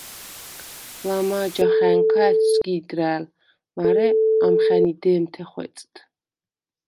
ლამა̄ჯახა̈ნქა ა̈თვსგი̄დრა̄̈ლ, მარე ამხა̈ნი დე̄მთე ხვეწდ.